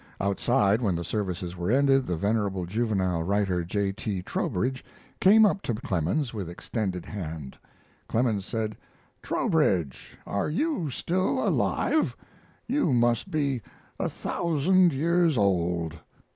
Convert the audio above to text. Outside, when the services were ended, the venerable juvenile writer, J. T. Trowbridge, came up to Clemens with extended hand. Clemens said: "Trowbridge, are you still alive? You must be a thousand years old.